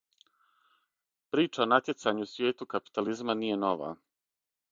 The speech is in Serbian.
Прича о натјецању у свијету капитализма није нова.